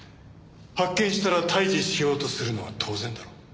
発見したら退治しようとするのは当然だろ。